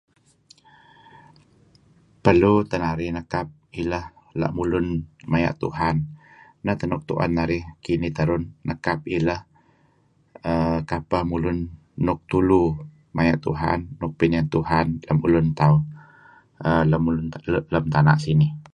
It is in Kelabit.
Perlu teh narih nekap ileh la' mulun maya' Tuhan neh teh nuk tu'en narih kinih terun, nekap ileh err kapeh mulun nuk tulu maya' Tuhan nuk peniyan Tuhan lem ulun tauh err lem tana' sinih.